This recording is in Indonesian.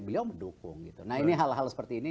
beliau mendukung gitu nah ini hal hal seperti ini